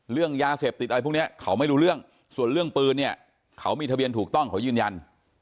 เรื่องยาเสพติดอะไรพวกนี้เขาไม่รู้เรื่องส่วนเรื่องปืนเนี่ยเขามีทะเบียนถูกต้องเขายืนยัน